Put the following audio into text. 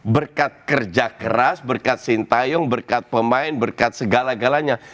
berkat kerja keras berkat sintayong berkat pemain berkat segala galanya